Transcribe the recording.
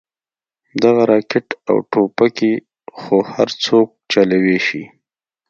دغه راكټ او ټوپكې خو هرسوك چلوې شي.